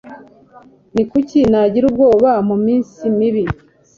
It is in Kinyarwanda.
ni kuki nagira ubwoba mu minsi mibi